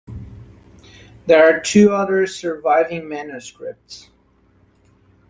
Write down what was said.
There are two other surviving manuscripts.